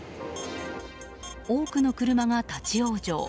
多くの車が立ち往生。